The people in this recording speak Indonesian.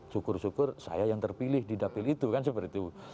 syukur syukur saya yang terpilih di dapil itu kan seperti itu